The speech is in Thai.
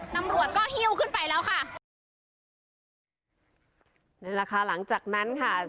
ตำรวจก็หิ้วขึ้นไปแล้วค่ะนี่แหละค่ะหลังจากนั้นค่ะ